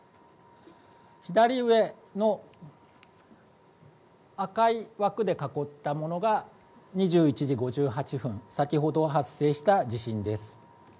左上の赤い枠で囲ったものが２１時５８分先ほど発生した地震です。